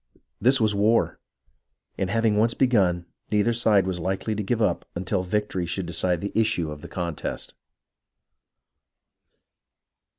This was war, and having once begun, neither side was hkely to give up until victory should decide the issue of the contest.